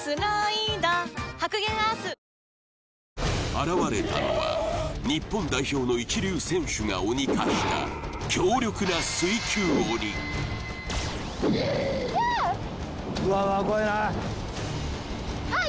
現れたのは日本代表の一流選手が鬼化した強力なキャーッうわうわ怖いなあっ